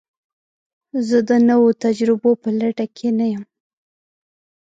زه د نوو تجربو په لټه کې نه یم.